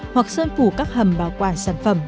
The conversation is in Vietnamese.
hoặc sơn phủ các hầm bảo quản sản phẩm